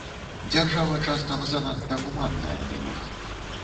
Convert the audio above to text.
Дзяржава часам занадта гуманная да іх.